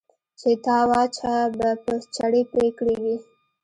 چې ته وا چا به په چړې پرې کړي وي.